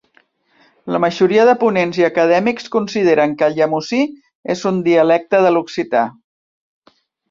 La majoria de ponents i acadèmics consideren que el llemosí és un dialecte de l'occità.